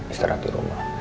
istirahat di rumah